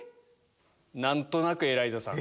何となくエライザさん。